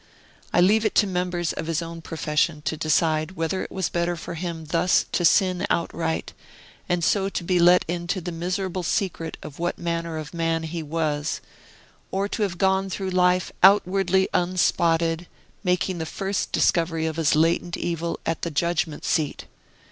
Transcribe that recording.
I leave it to members of his own profession to decide whether it was better for him thus to sin outright, and so to be let into the miserable secret what manner of man he was, or to have gone through life outwardly unspotted, making the first discovery of his latent evil at the judgment seat.